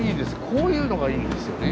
こういうのがいいんですよね。